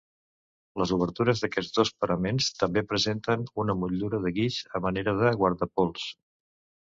Les obertures d'aquests dos paraments també presenten una motllura de guix a manera de guardapols.